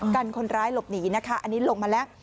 กันคนร้ายหลบหนีนะคะอันนี้ลงมาแล้ว